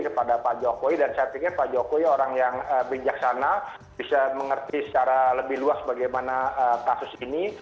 kepada pak jokowi dan saya pikir pak jokowi orang yang bijaksana bisa mengerti secara lebih luas bagaimana kasus ini